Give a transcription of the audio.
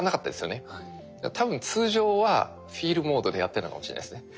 多分通常はフィールモードでやってるのかもしれないですね。